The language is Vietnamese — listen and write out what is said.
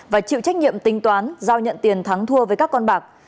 và chịu trách nhiệm tính toán giao nhận tiền thắng thua với các con bạc